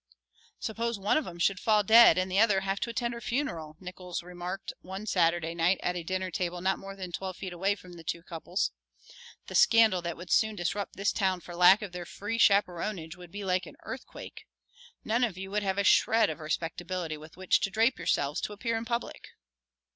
"Suppose one of 'em should fall dead and the other have to attend her funeral," Nickols remarked one Saturday night at a dinner table not more than twelve feet away from the two couples. "The scandal that would soon disrupt this town for lack of their free chaperonage would be like an earthquake. None of you would have a shred of respectability with which to drape yourselves to appear in public."